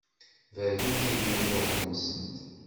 Berrunt i yimeẓẓuɣen-nsent.